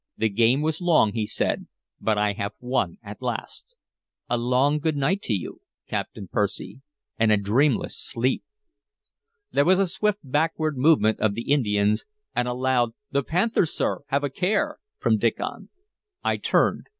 "The game was long," he said, "but I have won at last. A long good night to you, Captain Percy, and a dreamless sleep!" There was a swift backward movement of the Indians, and a loud "The panther, sir! Have a care!" from Diccon. I turned.